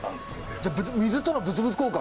じゃあ水との物々交換？